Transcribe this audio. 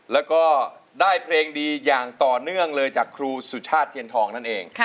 แล้วก็ได้เพลงดีอย่างต่อเนื่องเลยจากครูสุชาติเทียนทองนั่นเอง